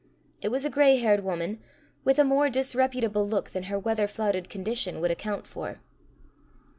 It was a greyhaired woman, with a more disreputable look than her weather flouted condition would account for.